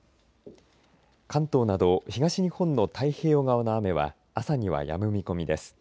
関東など東日本の太平洋側の雨は朝にはやむ見込みです。